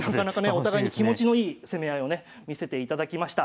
お互いに気持ちのいい攻め合いをね見せていただきました。